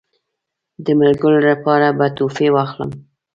د ملګرو لپاره به تحفې واخلم.